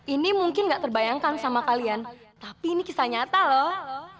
ini mungkin gak terbayangkan sama kalian tapi ini kisah nyata loh